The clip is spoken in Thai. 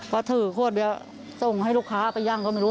พอถือคั่วเบียร์ต้องให้ลูกค้าไปยั่งก็ไม่รู้